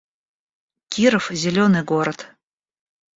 Киров — зелёный город